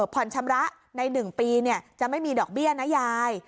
ผ่อนชำระใน๑ปีจะไม่มีดอกเบี้ยนะยาย